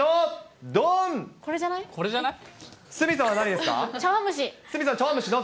これじゃない？